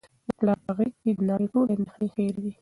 د پلار په غیږ کي د نړۍ ټولې اندېښنې هیرېږي.